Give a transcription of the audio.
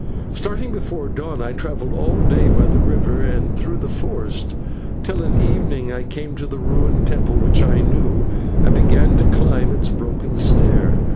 "Starting before the dawn I travelled all day by the river and through the forest, till at evening I came to the ruined temple which I knew, and began to climb its broken stair.